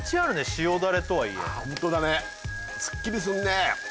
塩だれとはいえホントだねすっきりすんね